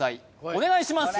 お願いします